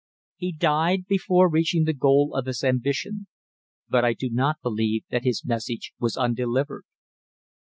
He died before he reached the goal of his ambition, but I do not believe that his message was undelivered.